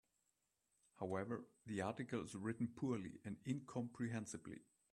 However, the article is written poorly and incomprehensibly.